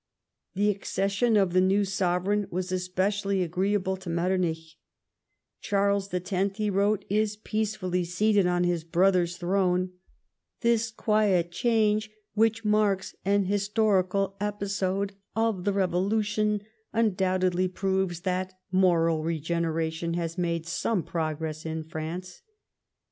The accession of the new sovereign was specially agreeable to Metternich. " Charles X.," he v.rote, " is peacefully seated on his brother's throne. This quiet change, which marks an historical episode of the Kevolution, undoubtedly proves that moral regeneration has made some progress in France."